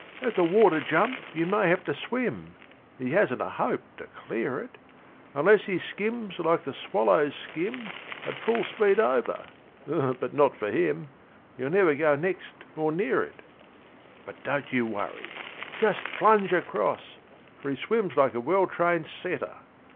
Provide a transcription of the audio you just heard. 'At the water jump you may have to swim He hasn't a hope to clear it Unless he skims like the swallows skim At full speed over, but not for him! He'll never go next or near it. 'But don't you worry just plunge across, For he swims like a well trained setter.